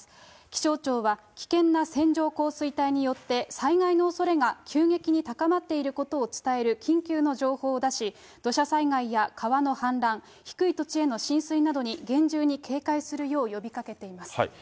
気象庁は危険な線状降水帯によって、災害のおそれが急激に高まっていることを伝える緊急の情報を出し、土砂災害や川の氾濫、低い土地への浸水などに厳重に警戒するよう呼びかけています。